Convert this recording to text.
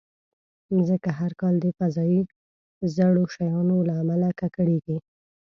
مځکه هر کال د فضایي زړو شیانو له امله ککړېږي.